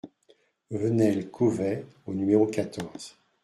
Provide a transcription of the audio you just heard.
Venelle Cauvet au numéro quatorze